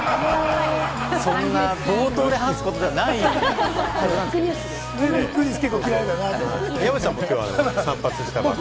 そんな冒頭で話すことではないはずなんですけれどもね。